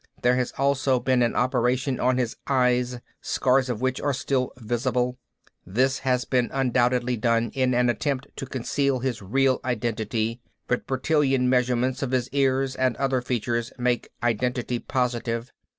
There has also been an operation on his eyes, scars of which are still visible. This has been undoubtedly done in an attempt to conceal his real identity, but Bertillon measurements of his ears and other features make identity positive.